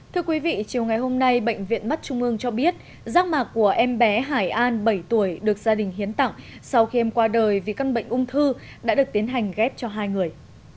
thưa quý vị chiều ngày hôm nay bệnh viện mắt trung ương cho biết rác mạc của em bé hải an bảy tuổi được gia đình hiến tặng sau khi em qua đời vì căn bệnh ung thư đã được tiến hành ghép cho hai người